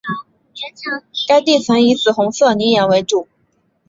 该地层以紫红色泥岩为主。